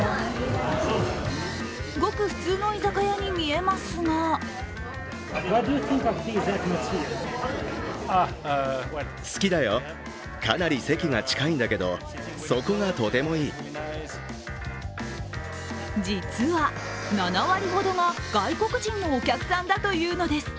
ごく普通の居酒屋に見えますが実は７割ほどが外国人のお客さんだというのです。